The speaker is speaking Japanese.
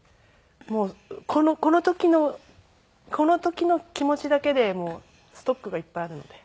もうこの時のこの時の気持ちだけでストックがいっぱいあるので。